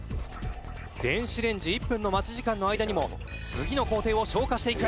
「電子レンジ１分の待ち時間の間にも次の工程を消化していく」